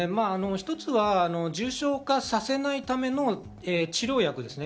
一つは重症化させないための治療薬。